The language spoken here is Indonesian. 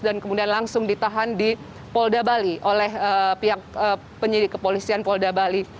dan kemudian langsung ditahan di polda bali oleh pihak penyelidik kepolisian polda bali